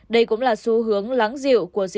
đây cũng là xu hướng lắng dịu